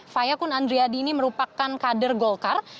fayakun andriadi ini merupakan kader golkar